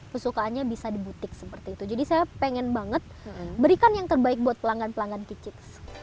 kesukaannya bisa di butik seperti itu jadi saya pengen banget berikan yang terbaik buat pelanggan pelanggan kikit